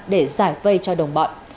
để giải vây cho đồng bọn